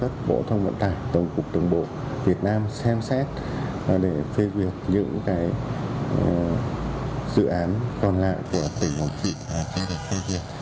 tổng cục đồng bộ việt nam phê duyệt những dự án còn lại của tỉnh quảng trị